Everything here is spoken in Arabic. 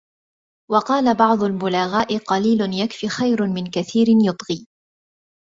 وَقَالَ بَعْضُ الْبُلَغَاءِ قَلِيلٌ يَكْفِي خَيْرٌ مِنْ كَثِيرٍ يُطْغِي